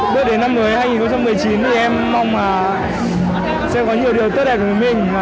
bước đến năm mới hai nghìn một mươi chín thì em mong là sẽ có nhiều điều tốt đẹp với mình